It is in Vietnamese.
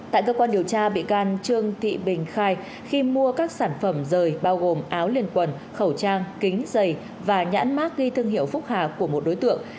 tại cơ quan điều tra bị can trương thị bình khai khi mua các sản phẩm rời bao gồm áo liền quần khẩu trang kính giày và nhãn mát ghi thương hiệu phúc hà của một đối tượng